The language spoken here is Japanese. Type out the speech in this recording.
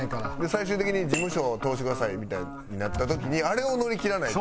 最終的に事務所を通してくださいみたいになった時にあれを乗り切らないと。